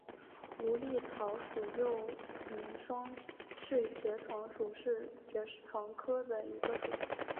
芦莉草属又名双翅爵床属是爵床科下的一个属。